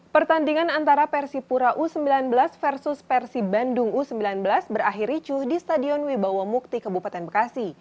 pertandingan antara persipura u sembilan belas versus persibandung u sembilan belas berakhir ricuh di stadion wibawamukti kebupaten bekasi